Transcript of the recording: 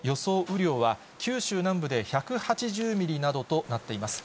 雨量は、九州南部で１８０ミリなどとなっています。